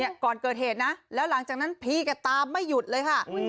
ก่อนเกิดเหตุนะแล้วหลังจากนั้นพี่ก็ตามไม่หยุดเลยค่ะ